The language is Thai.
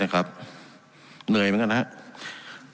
การปรับปรุงทางพื้นฐานสนามบิน